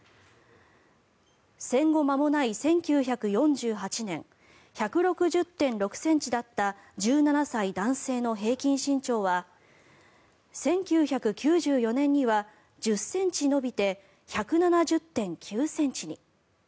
戦後間もない１９４８年１６０．６ｃｍだった１７歳男性の平均身長は１９９４年には１０ｃｍ伸びて１７０．９ｃｍに。